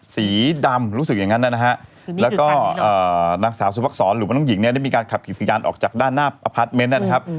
สีดำรู้สึกอย่างนั้นนะฮะแล้วก็นางสาวสุภักษรหรือว่าน้องหญิงเนี่ยได้มีการขับขี่สัญญาณออกจากด้านหน้าอพาร์ทเมนต์นะครับ